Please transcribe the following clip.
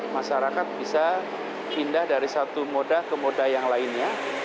masyarakat bisa pindah dari satu moda ke moda yang lainnya